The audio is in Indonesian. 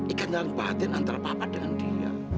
ikatan kebahagiaan antara papa dengan dia